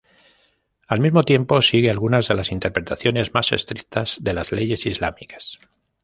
Al mismo tiempo, sigue algunas de las interpretaciones más estrictas de las leyes islámicas.